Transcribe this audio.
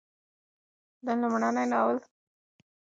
لومړنی خپور شوی ناول یې "عقل او احساس" و.